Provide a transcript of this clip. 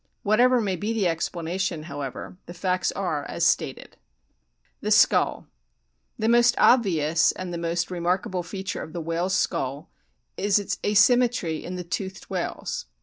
Whatever may be the explanation, however, the facts are as stated, THE SKULL The most obvious and the most remarkable feature of the whale's skull is its asymmetry in the toothed whales.